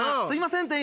すいません